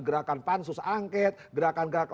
gerakan pansus angket gerakan gerakan